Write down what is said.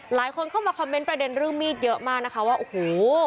หลายคนเข้ามาคอมเมนต์ประเด็นเรื่องมีดเยอะมากนะคะว่าโอ้โห